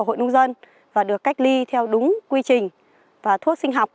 rau su su tam đảo của chúng tôi là được cách ly theo đúng quy trình và thuốc sinh học